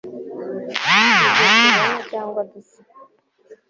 Ibyo tubona cyangwa dusa